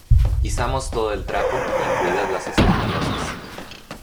izamos todo el trapo, incluidas las escandalosas.